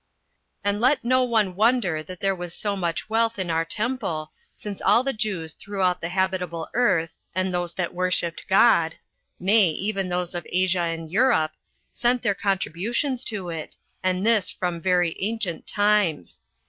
2. And let no one wonder that there was so much wealth in our temple, since all the Jews throughout the habitable earth, and those that worshipped God, nay, even those of Asia and Europe, sent their contributions to it, and this from very ancient times.